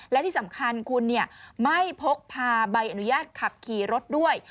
และที่สำคัญคุณไม่พกพาใบอนุญาตขับขี่รถด้วย